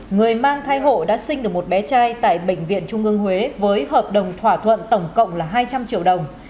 người mang thai hộ đã sinh được một bé trai tại bệnh viện trung ương huế với hợp đồng thỏa thuận tổng cộng là hai trăm linh triệu đồng